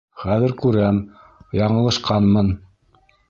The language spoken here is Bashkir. Хәҙер күрәм: яңылышҡанмын!